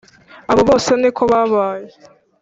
abo bose niko babaye